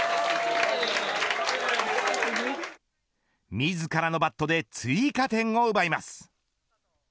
自らのバットで追加点を奪います。